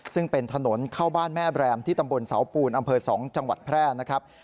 ซึ่งเป็นถนนเข้าบ้านแม่แรมที่ตำบลเสาปูนอำเภอ๒จังหวัดแพร่นะครับ